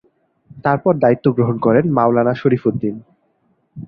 তারপর দায়িত্ব গ্রহণ করেন মাওলানা শরিফ উদ্দিন।